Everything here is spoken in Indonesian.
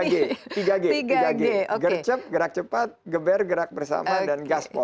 gercep gerak cepat geber gerak bersama dan gaspol